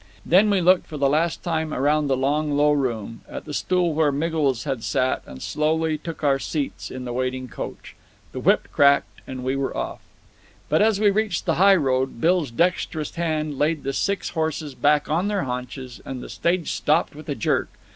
Then we looked for the last time around the long low room, at the stool where Miggles had sat, and slowly took our seats in the waiting coach. The whip cracked, and we were off! But as we reached the highroad, Bill's dexterous hand laid the six horses back on their haunches, and the stage stopped with a jerk.